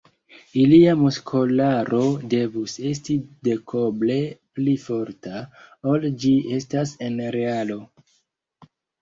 Ilia muskolaro devus esti dekoble pli forta, ol ĝi estas en realo.